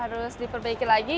harus diperbaiki lagi